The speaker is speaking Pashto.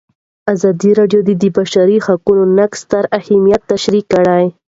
ازادي راډیو د د بشري حقونو نقض ستر اهميت تشریح کړی.